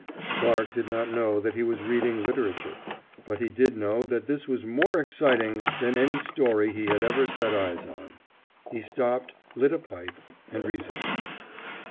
Clarke did not know that he was reading literature, but he did know that this was more exciting than any story he had ever set eyes on. He stopped, lit a pipe, and resumed.